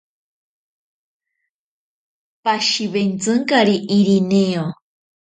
Pashiwentsinkari Irineo.